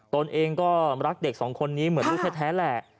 ตนเองก็รักเด็กสองคนนี้เหมือนลูกแท้แหละ